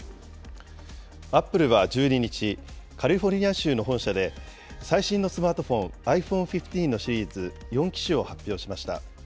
アップルは１２日、カリフォルニア州の本社で、最新のスマートフォン、ｉＰｈｏｎｅ１５のシリーズ４機種を発表しました。